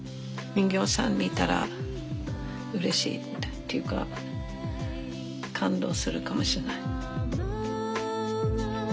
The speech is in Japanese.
人形さん見たらうれしいっていうか感動するかもしれない。